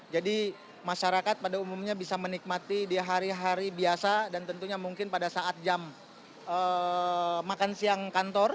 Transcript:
jadi masyarakat pada umumnya bisa menikmati di hari hari biasa dan tentunya mungkin pada saat jam makan siang kantor